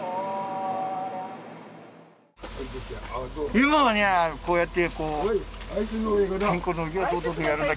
今はねこうやって。